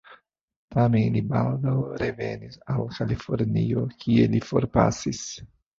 Tamen, li baldaŭ revenis al Kalifornio, kie li forpasis.